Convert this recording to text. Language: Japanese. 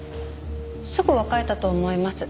すぐ別れたと思います。